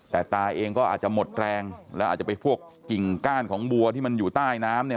แต่ตาเองก็อาจจะหมดแรงแล้วอาจจะไปพวกกิ่งก้านของบัวที่มันอยู่ใต้น้ำเนี่ย